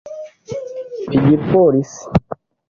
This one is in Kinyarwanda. igipolisi